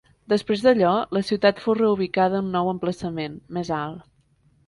Després d'allò, la ciutat fou reubicada a un nou emplaçament, més alt.